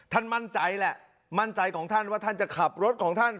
ท่านมั่นใจแหละมั่นใจของท่านว่าท่านจะขับรถของท่าน